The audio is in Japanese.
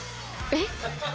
えっ。